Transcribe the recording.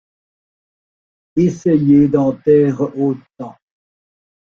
Essayez d’en taire autant.